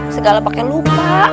segala pakai lupa